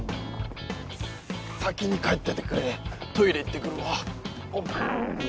先に帰っててくれトイレ行ってくるわ。